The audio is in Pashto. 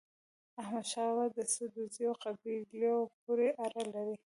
احمد شاه بابا د سدوزيو قبيلې پورې اړه لري.